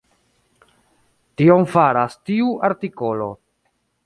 Tion faras tiu artikolo.